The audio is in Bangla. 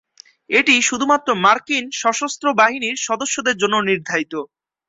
এটি শুধুমাত্র মার্কিন সশস্ত্র বাহিনীর সদস্যদের জন্য নির্ধারিত।